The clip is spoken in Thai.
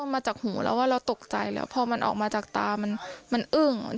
มาจากหูแล้วว่าเราตกใจแล้วพอมันออกมาจากตามันอึ้ง